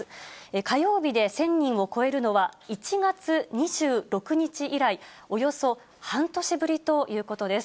火曜日で１０００人を超えるのは１月２６日以来およそ半年ぶりということです。